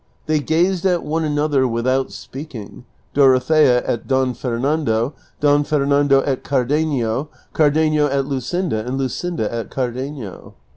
They gazed at one another without s})eaking, Dorothea at Don Fernando, Don Fernando at Cardenio, Cardenio at Lu scinda, and Luscinda at Cardenio.